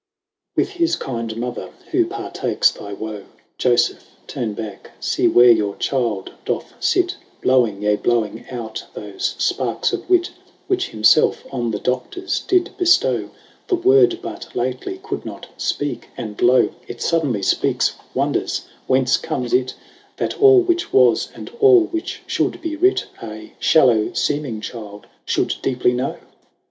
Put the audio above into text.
4. With his klnde mother who partakes thy woe, lofeph turne backe ; fee where your child doth fit, Blowing, yea blowing out thofe fparks of wit, Which himfelfe on the Doctors did beftow ; The Word but lately could not fpeake, and loe, 5 It fodenly fpeakes wonders, whence comes it, That all which was, and all which fhould be writ, A (hallow feeming child, fhould deeply know?